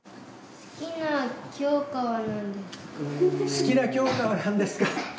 「好きな教科はなんですか」。